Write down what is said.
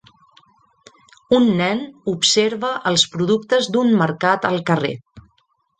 Un nen observa els productes d'un mercat al carrer.